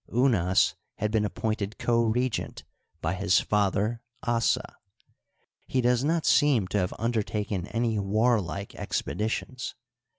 Unas had been appointed co regent by his father Assa. He does not seem to have undertaken any warlike expeditions.